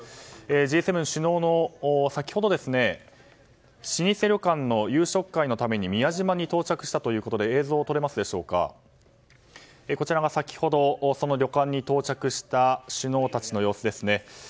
Ｇ７首脳は先ほど老舗旅館の夕食会のため宮島に到着したということでこちらが先ほどその旅館に到着した首脳たちの様子ですね。